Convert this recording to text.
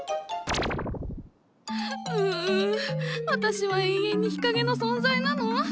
うう私は永遠に日陰の存在なの？